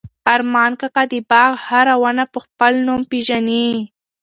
ارمان کاکا د باغ هره ونه په خپل نوم پېژني.